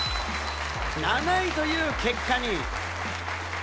７位という結果に。